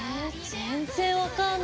全然分かんない。